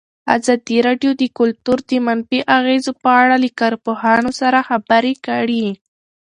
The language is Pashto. ازادي راډیو د کلتور د منفي اغېزو په اړه له کارپوهانو سره خبرې کړي.